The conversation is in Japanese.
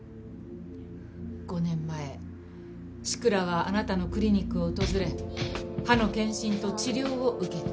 ５年前志倉はあなたのクリニックを訪れ歯の検診と治療を受けた。